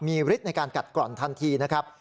มีฤทธิ์ในการกัดกร่อนทันทีนะครับ